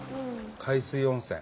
海水温泉。